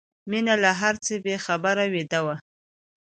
مينه له هر څه بې خبره ویده وه